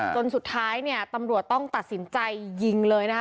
จนสุดท้ายเนี่ยตำรวจต้องตัดสินใจยิงเลยนะคะ